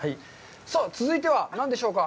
さあ、続いては何でしょうか。